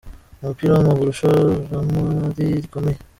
Umupira w’amaguru, ishoramari rikomeye